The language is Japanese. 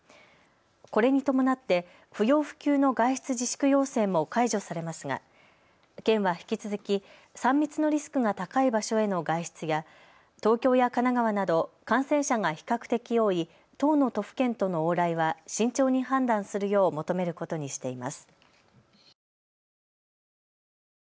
これに伴って不要不急の外出自粛要請も解除されますが県は引き続き３密のリスクが高い場所への外出や東京や神奈川など感染者が比較的多い１０の都府県との往来は慎重に判断するよう求めることにしています。